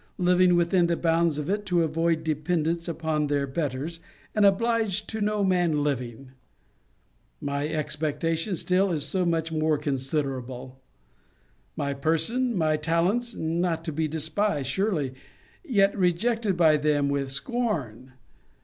Living within the bounds of it, to avoid dependence upon their betters, and obliged to no man living! My expectations still so much more considerable! My person, my talents not to be despised, surely yet rejected by them with scorn.